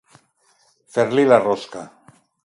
Fer-li la rosca.